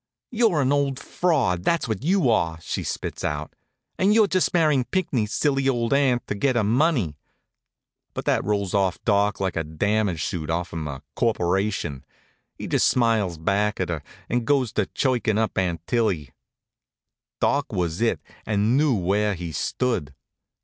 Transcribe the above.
"You're an old fraud, that's what you are!" she spits out. "And you're just marrying Pinckney's silly old aunt to get her money." But that rolls off Doc like a damage suit off'm a corporation. He just smiles back at her, and goes to chirkin' up Aunt Tillie. Doc was it, and knew where he stood.